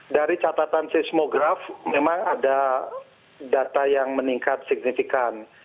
dari catatan seismograf memang ada data yang meningkat signifikan